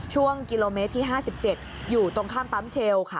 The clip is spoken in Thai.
ช่วงกิโลเมตรที่๕๗อยู่ตรงข้ามปั๊มเชลค่ะ